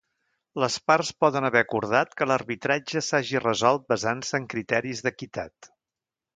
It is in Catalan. Les parts poden haver acordat que l'arbitratge s'hagi resolt basant-se en criteris d'equitat.